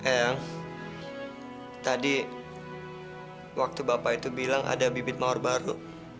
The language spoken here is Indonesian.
yang tadi waktu bapak itu bilang ada bibit mawar baru